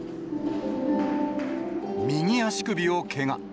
右足首をけが。